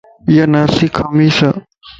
اِيا ناسي کميص ا